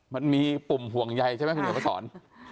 มันมีปุ่มห่วงใยใช่ไหมคุณเดี๋ยวมาสอน